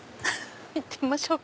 行ってみましょうか。